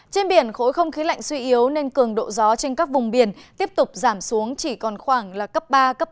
trên biển khối không khí lạnh suy yếu nên cường độ gió trên các vùng biển tiếp tục giảm xuống chỉ còn khoảng là cấp ba bốn